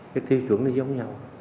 cái tiêu chuẩn nó giống nhau